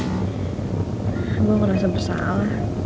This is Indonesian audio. gue gak ngerasa bersalah